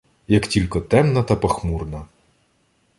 Як тілько темна та пахмурна